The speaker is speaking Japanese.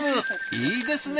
いいですね